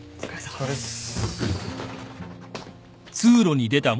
お疲れっす。